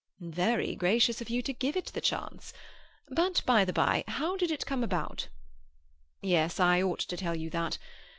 "Very gracious of you to give it the chance. But, by the bye, how did it come about?" "Yes, I ought to tell you that.